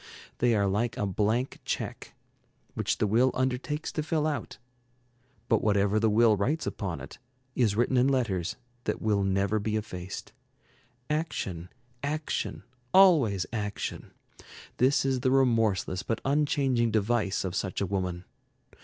They are like a blank check, which the will undertakes to fill out. But whatever the will writes upon it, is written in letters that will never be effaced. Action, action, always action, this is the remorseless but unchanging device of such a woman.